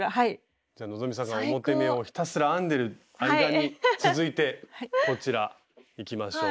希さんが表目をひたすら編んでる間に続いてこちらいきましょう。